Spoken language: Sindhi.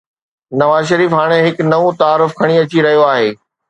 نواز شريف هاڻي هڪ نئون تعارف کڻي اچي رهيو آهي.